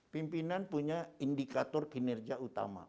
pimpinan punya indikator kinerja utama